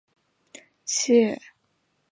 谢富治代表北京市革命委员会讲话。